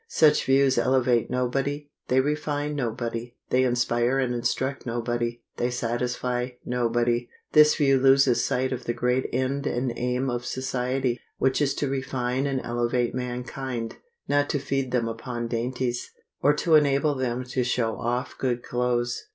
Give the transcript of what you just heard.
Such views elevate nobody; they refine nobody; they inspire and instruct nobody; they satisfy nobody. This view loses sight of the great end and aim of society, which is to refine and elevate mankind, not to feed them upon dainties, or to enable them to show off good clothes.